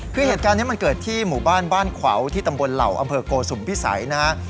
คือเหตุการณ์นี้มันเกิดที่หมู่บ้านบ้านขวาวที่ตำบลเหล่าอำเภอโกสุมพิสัยนะฮะ